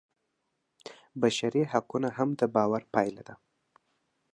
بشري حقونه هم د باور پایله ده.